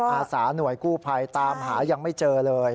อาสาหน่วยกู้ภัยตามหายังไม่เจอเลย